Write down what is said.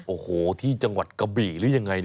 โอ้โหที่จังหวัดกะบี่หรือยังไง